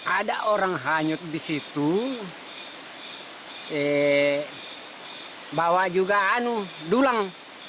ada orang hanyut di situ bawa juga dulang